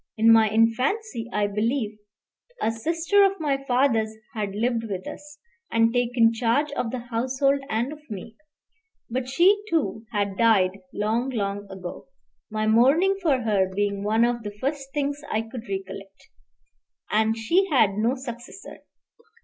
In my infancy, I believe, a sister of my father's had lived with us, and taken charge of the household and of me; but she, too, had died long, long ago, my mourning for her being one of the first things I could recollect. And she had no successor.